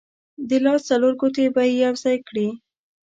د لاس څلور ګوتې به یې یو ځای کړې.